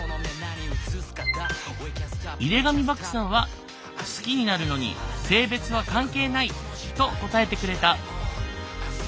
井手上漠さんは好きになるのに性別は関係ないと答えてくれた。